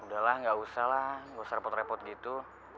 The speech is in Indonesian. udahlah gak usah lah gak usah repot repot gitu